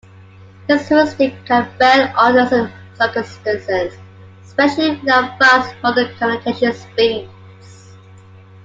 This heuristic can fail under some circumstances, especially without fast modern communication speeds.